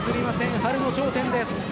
春の頂点です。